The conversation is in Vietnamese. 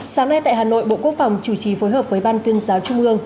sáng nay tại hà nội bộ quốc phòng chủ trì phối hợp với ban tuyên giáo trung ương